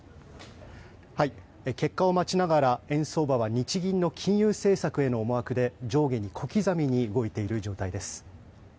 結果を待ちながら円相場は日銀の金融政策への思惑で上下に小刻みに動いている状態です。